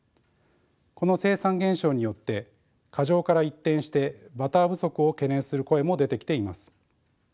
この生産減少によって過剰から一転してバター不足を懸念する声も出てきています。